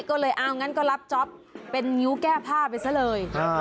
ก็เลยเอางั้นก็รับจ๊อปเป็นงิ้วแก้ผ้าไปซะเลย